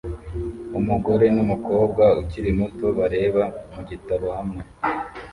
Umugore numukobwa ukiri muto bareba mugitabo hamwe